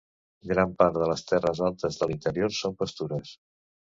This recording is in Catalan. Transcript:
Gran part de les terres altes de l'interior són pastures.